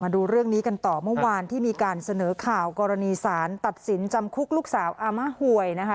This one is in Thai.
ดูเรื่องนี้กันต่อเมื่อวานที่มีการเสนอข่าวกรณีสารตัดสินจำคุกลูกสาวอาม่าหวยนะคะ